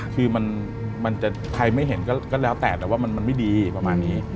คือมันจะใครไม่เห็นก็แล้วแต่แต่ว่ามันไม่ดีประมาณนี้